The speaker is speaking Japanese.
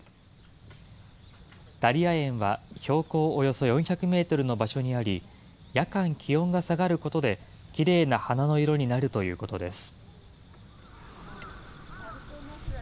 ダリア園は標高およそ４００メートルの場所にあり、夜間、気温が下がることできれいな花の色になるということです。